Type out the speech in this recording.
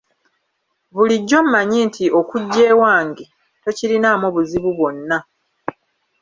Bulijjo mmanyi nti okujja ewange tokirinaamu buzibu bwonna.